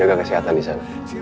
jaga kesehatan di sana